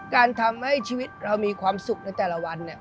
การทำให้ชีวิตเรามีความสุขในแต่ละวันเนี่ย